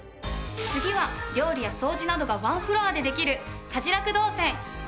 次は料理や掃除などがワンフロアでできる家事ラク動線！